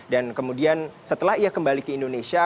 dan kemudian setelah ia kembali ke indonesia